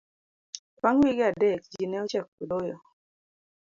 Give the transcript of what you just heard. bang' wige adek ji ne ochako doyo